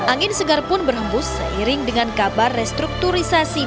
angin segar pun berhembus seiring dengan kabar restrukturisasi